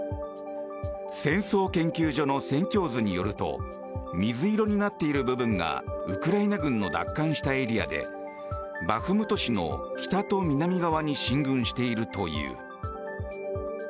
戦争研究所の戦況図によると水色になっている部分がウクライナ軍の奪還したエリアでバフムト市の北と南側に進軍しているという。